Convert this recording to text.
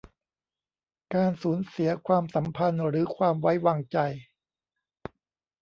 การสูญเสียความสัมพันธ์หรือความไว้วางใจ